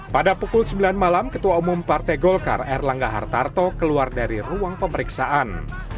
pada pukul sembilan malam ketua umum partai golkar erlangga hartarto keluar dari ruang pemeriksaan